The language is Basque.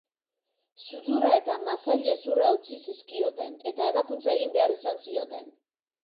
Sudurra eta masailezurra hautsi zizkioten eta ebakuntza egin behar izan zioten.